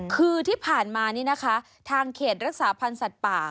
คือที่ผ่านมานี่นะคะทางเขตรักษาพันธ์สัตว์ป่า